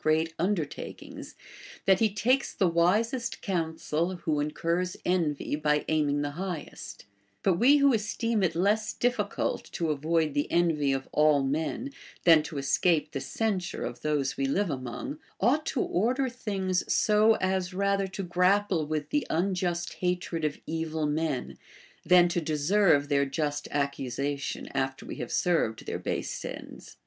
great undertakings, tliat he takes the wisest counsel who incurs envy by aiming the highest * But we who esteem it less difficult to avoid the envy of all men than to escape the censure of those we live among, ought to order things so as rather to grapple with the un just hatred of evil men, than to deserve their just accusation after we have served tlieir base ends.